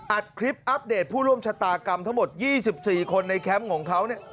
อัดคลิปอัปเดตผู้ร่วมชะตากรรมทั้งหมด๒๔คนในแคมป์ของเขาเนี่ย